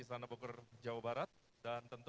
istana bogor jawa barat dan tentu